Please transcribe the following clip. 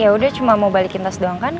ya udah cuma mau balikin tas doang kan